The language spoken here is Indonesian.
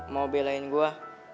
mau belain gua